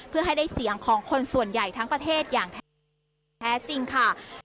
เพื่อให้ได้เสียงของคนส่วนใหญ่ทั้งประเทศอย่างแท้จริงค่ะ